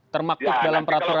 termaktub dalam peraturannya